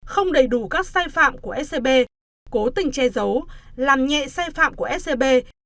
không đầy đủ các sai phạm của scb cố tình che giấu làm nhẹ sai phạm của scb